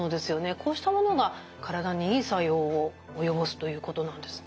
こうしたものが体にいい作用を及ぼすということなんですね。